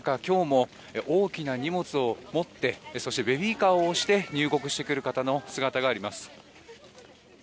今日も大きな荷物を持ってそしてベビーカーを押して入国してくる方の姿があります。